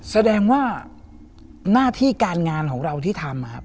แสดงว่าหน้าที่การงานของเราที่ทำครับ